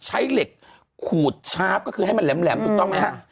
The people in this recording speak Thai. ใช้เหล็กขูดชาร์ฟก็คือให้มันแหลมถูกต้องไหมฮะ